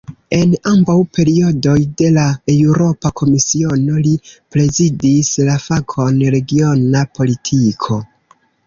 En ambaŭ periodoj de la Eŭropa Komisiono, li prezidis la fakon "regiona politiko".